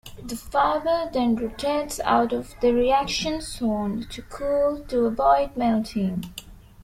The fibre then rotates out of the reaction zone, to cool, to avoid melting.